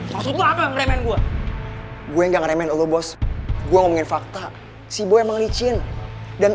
sosok ngeremeh gue gue enggak remeh lo bos gue ngomongin fakta si boy mengnicin dan